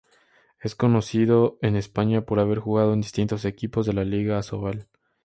Es conocido en España por haber jugado en distintos equipos de la Liga Asobal.